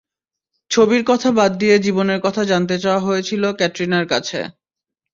ছবির কথা বাদ দিয়ে জীবনের কথা জানতে চাওয়া হয়েছিল ক্যাটরিনার কাছে।